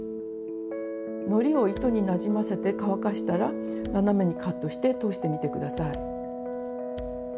のりを糸になじませて乾かしたら斜めにカットして通してみて下さい。